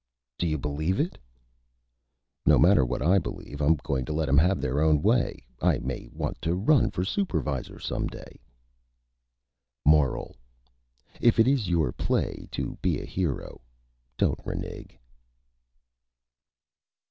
"Do you Believe it?" "No matter what I Believe; I'm goin' to let 'em have their own Way. I may want to Run for Supervisor some Day." MORAL: _If it is your Play to be a Hero, don't Renig.